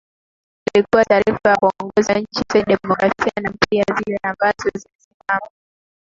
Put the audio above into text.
ilikuwa taifa la kuongoza nchi zenye demokrasia na pia zile ambazo zilisimama